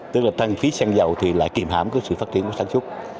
tức là tăng phí xăng dầu thì lại kìm hãm cái sự phát triển của sản xuất